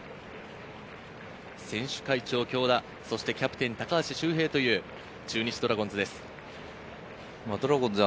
選手会長・京田、キャプテン・高橋周平という中日ドラゴンズです。